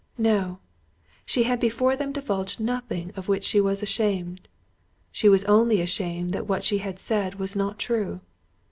No, she had before them divulged nothing of which she was ashamed; she was only ashamed that what she had said was not true.